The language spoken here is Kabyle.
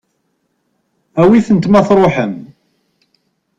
Awit-tent ma tṛuḥem.